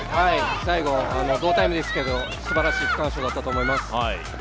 最後、同タイムですけどすばらしい区間賞だったと思います。